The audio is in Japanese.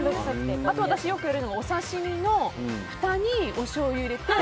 あと、私はよくやるのがお刺し身のふたにおしょうゆを入れて。